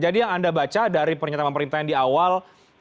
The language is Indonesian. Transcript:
jadi dari yang anda baca dari pernyataan pemerintah yang di awal